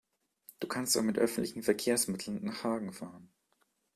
Du kannst doch mit öffentlichen Verkehrsmitteln nach Hagen fahren